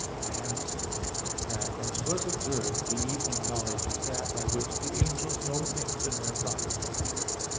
I answer that, As was observed (A. 6), the evening knowledge is that by which the angels know things in their proper nature.